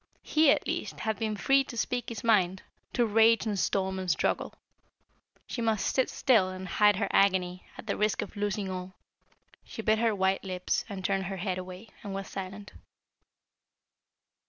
He, at least, had been free to speak his mind, to rage and storm and struggle. She must sit still and hide her agony, at the risk of losing all. She bit her white lips and turned her head away, and was silent.